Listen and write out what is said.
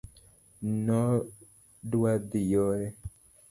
nodwadhi yore